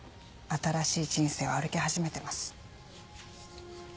新しい人生を歩き始めてます。